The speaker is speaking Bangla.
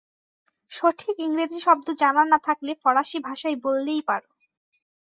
সঠিক ইংরেজি শব্দ জানা না থাকলে ফরাসি ভাষায় বললেই পার।